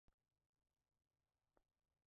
Njia za uchakataji wa viazi lishe